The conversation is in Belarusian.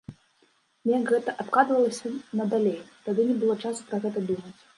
Неяк гэта адкладвалася надалей, тады не было часу пра гэта думаць.